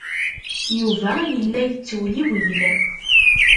Yuba yella yettewliwil.